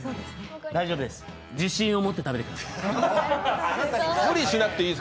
大丈夫です、自信を持って食べてください。